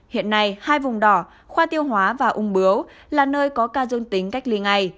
hiện nay hai vùng đỏ khoa tiêu hóa và ung bướu là nơi có ca dương tính cách ly ngay